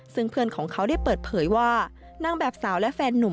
ซึ่งเพื่อนของเขาได้เปิดเผยว่านางแบบสาวและแฟนนุ่ม